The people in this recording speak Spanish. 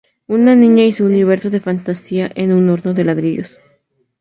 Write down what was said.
Una niña y su universo de fantasía en un horno de ladrillos.